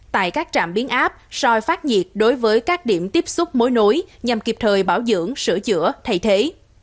tại các trạm biến áp soi phát nhiệt đối với các điểm tiếp xúc mối nối nhằm kịp thời bảo dưỡng sửa chữa thay thế